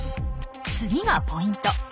次がポイント。